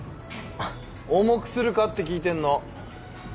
重くするかって聞いてんの。